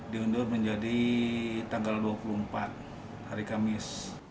diundur menjadi tanggal dua puluh empat hari kamis